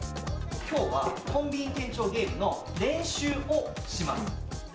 きょうはコンビニ店長ゲームの練習をします。